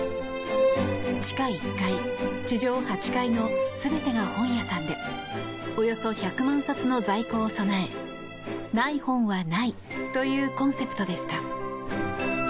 地下１階、地上８階の全てが本屋さんでおよそ１００万冊の在庫を備えない本はないというコンセプトでした。